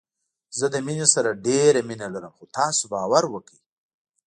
زه د مينې سره ډېره مينه لرم خو تاسو باور وکړئ